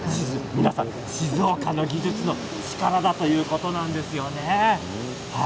皆さん、これが静岡の技術の力だということなんですよね。